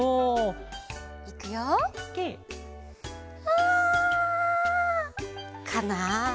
あ！かなあ。